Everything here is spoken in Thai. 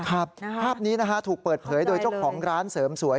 ภาพนี้นะฮะถูกเปิดเผยโดยเจ้าของร้านเสริมสวย